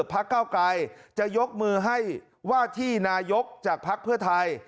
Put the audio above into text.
พักเก้าไกรจะยกมือให้ว่าที่นายกจากภักดิ์เพื่อไทย